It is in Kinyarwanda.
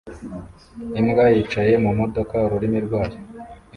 Imbwa yicaye mu modoka ururimi rwayo